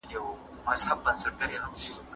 پيغمبر عليه السلام په حق فيصله وکړه.